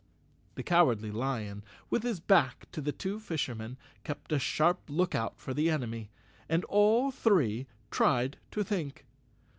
The Cowardly Lion, with his back to the two fisher¬ men, kept a sharp lookout for the enemy, and all three tried to think.